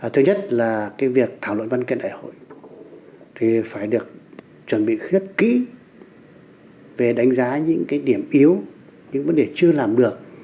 thứ nhất là việc thảo luận văn kiện đại hội thì phải được chuẩn bị rất kỹ về đánh giá những điểm yếu những vấn đề chưa làm được